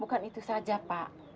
bukan itu saja pak